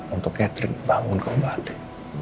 untuk catherine bangun kembali